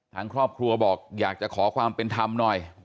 ทางครอบครัวบอกอยากจะขอความเป็นธรรมหน่อย